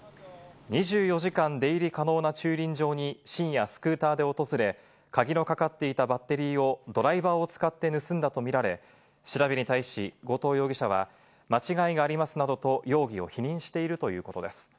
２４時間出入り可能な駐輪場に深夜スクーターで訪れ、鍵のかかっていたバッテリーをドライバーを使って盗んだとみられ、調べに対し、後藤容疑者は、間違いがありますなどと容疑を否認しているということです。